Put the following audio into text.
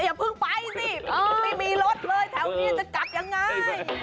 อย่าเพิ่งไปสิไม่มีรถเลยแถวนี้จะกลับยังไง